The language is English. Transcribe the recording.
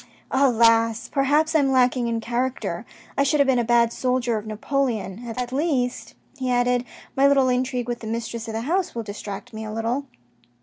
" Alas ! perhaps I am lacking in character. I should have been a bad soldier of Napoleon. At least," he added, " my little intrigue with the mistress of the house will distract me a little."